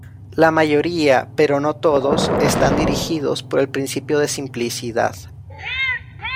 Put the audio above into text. La mayoría, pero no todos, están dirigidos por el principio de simplicidad.